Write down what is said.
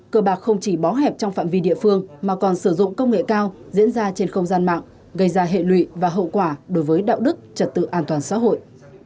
cờ bạc không chỉ bó hẹp trong phạm vi địa phương mà còn sử dụng công nghệ cao diễn ra trên không gian mạng gây ra hệ lụy và hậu quả đối với đạo đức trật tự an toàn xã hội